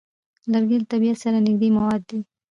لرګی له طبیعت سره نږدې مواد دي.